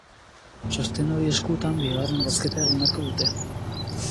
Txosten hori eskutan, bigarren bozketa egin beharko dute.